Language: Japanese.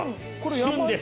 旬です。